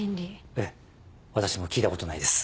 ええ私も聞いたことないです。